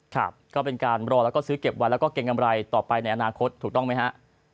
ครับก็เป็นการรอแล้วก็ซื้อเก็บไว้แล้วก็เกรงกำไรต่อไปในอนาคตถูกต้องไหมฮะ